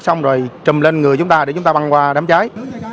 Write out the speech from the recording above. xong rồi trùm lên người chúng ta để chúng ta băng qua đám cháy